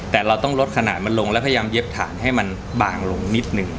แต่เราต้องลดขนาดมันลงแล้วพยายามเย็บฐานให้มันบางลงนิดหนึ่ง